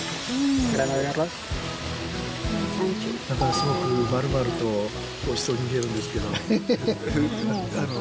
すごくまるまると、おいしそうに見えるんですけど。